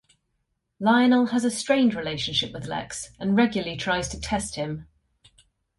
Lionel has a strained relationship with Lex and regularly tries to test him.